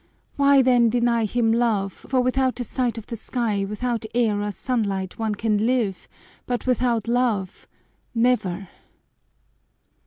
Why then deny him love, for without a sight of the sky, without air or sunlight, one can live, but without love never!"